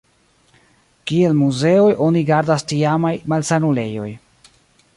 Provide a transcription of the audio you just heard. Kiel muzeoj oni gardas tiamaj malsanulejoj.